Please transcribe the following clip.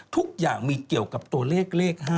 ทุกอย่างมีเกี่ยวกับตัวเลขเลข๕